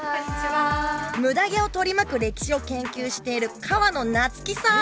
ムダ毛を取り巻く歴史を研究をしている河野夏生さん。